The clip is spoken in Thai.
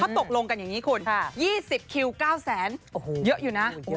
ถ้าตกลงกันอย่างงี้คุณค่ะยี่สิบคิวเก้าแสนโอ้โหเยอะอยู่น่ะโอ้